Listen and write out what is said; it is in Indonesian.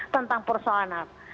tentang persoalan apa